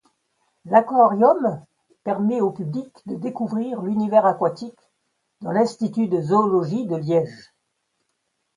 L'aquarium permet au public de découvrir l'univers aquatique dans l'Institut de zoologie de Liège.